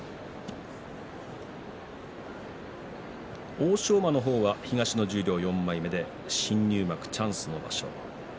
欧勝馬の方は東の十両４枚目で新入幕へチャンスの場所。